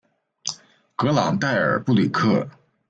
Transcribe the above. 格朗代尔布吕克。